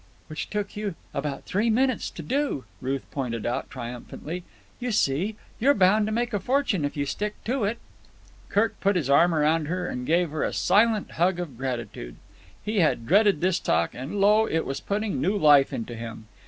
"Which took you about three minutes to do," Ruth pointed out triumphantly. "You see! You're bound to make a fortune if you stick to it." Kirk put his arm round her and gave her a silent hug of gratitude. He had dreaded this talk, and lo! it was putting new life into him.